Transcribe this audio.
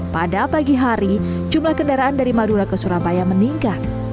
pada pagi hari jumlah kendaraan dari madura ke surabaya meningkat